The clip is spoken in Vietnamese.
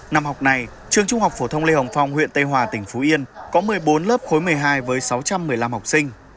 năm học này trường trung học phổ thông lê hồng phong huyện tây hòa tỉnh phú yên có một mươi bốn lớp khối một mươi hai với sáu trăm một mươi năm học sinh